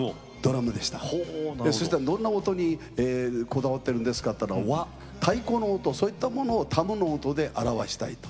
どんな音にこだわっているんですか？と聞いたら太鼓の音、そういったものをタブの音で表したい。